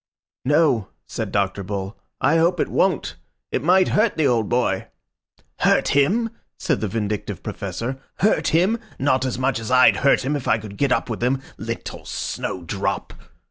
"No," said Dr. Bull, "I hope it won't. It might hurt the old boy." "Hurt him!" said the vindictive Professor, "hurt him! Not as much as I'd hurt him if I could get up with him. Little Snowdrop!"